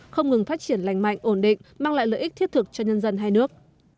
không ngừng phát triển lành mạnh ổn định mang lại lợi ích thiết thực cho nhân dân hai nước